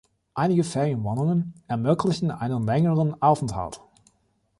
Einige Ferienwohnungen ermöglichen einen längeren Aufenthalt.